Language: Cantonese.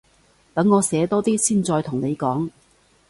等我寫多啲先再同你講